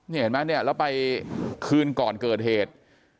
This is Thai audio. นี่เห็นไหมเนี่ยแล้วไปคืนก่อนเกิดเหตุ